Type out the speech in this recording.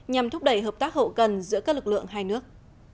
nhằm thúc đẩy hợp tác hậu cần giữa các lực lượng hai nước